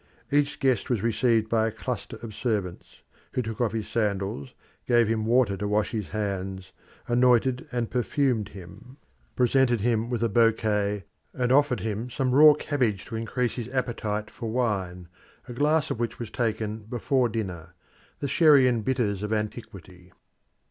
Each guest was received by a cluster of servants, who took off his sandals, gave him water to wash his hands, anointed and perfumed him, presented him with a bouquet, and offered him some raw cabbage to increase his appetite for wine, a glass of which was taken before dinner the sherry and bitters of antiquity.